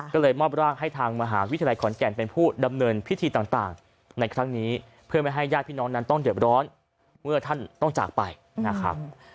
ก็เลยมอบร่างให้ทางมหาวิทยาลัยขอนแก่นเป็นผู้ดำเนินพิธีต่างในครั้งนี้เพื่อไม่ให้ญาติพี่น้องนั้นต้องเดือดร้อนเมื่อท่านต้องจากไปนะครับ